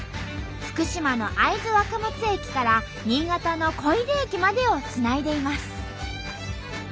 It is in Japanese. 福島の会津若松駅から新潟の小出駅までをつないでいます。